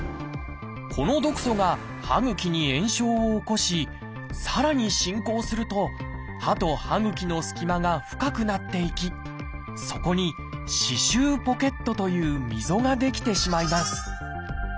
この毒素が歯ぐきに炎症を起こしさらに進行すると歯と歯ぐきの隙間が深くなっていきそこに「歯周ポケット」という溝が出来てしまいます。